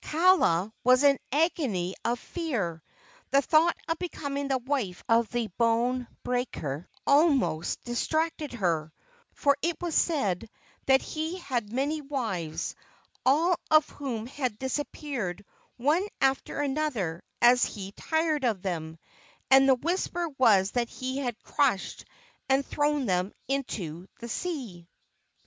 Kaala was in an agony of fear. The thought of becoming the wife of the bone breaker almost distracted her, for it was said that he had had many wives, all of whom had disappeared one after another as he tired of them, and the whisper was that he had crushed and thrown them into the sea.